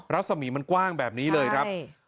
รัศมีร์มันกว้างแบบนี้เลยครับ